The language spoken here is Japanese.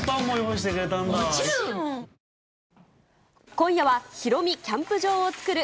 今夜は、ヒロミ、キャンプ場を作る。